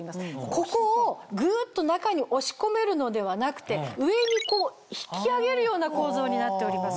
ここをグッと中に押し込めるのではなくて上に引き上げるような構造になっております。